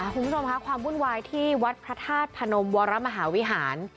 คุณผู้ชมค่ะความวุ่นวายที่วัดพระธาตุพนมวรมหาวิหาร